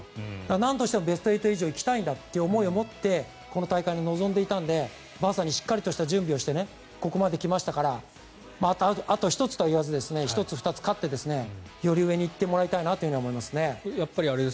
なんとしてもベスト８以上行きたいんだという思いを持って今大会臨んでいたのでまさにしっかりとした準備をしてここまで来たからあと１つと言わずに１つ、２つ勝ってより上に行ってもらいたいと思います。